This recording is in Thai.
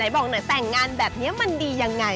บอกหน่อยแต่งงานแบบนี้มันดียังไง